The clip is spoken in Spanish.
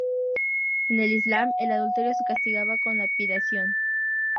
En el Islam el adulterio se castigaba con lapidación.